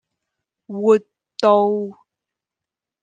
活道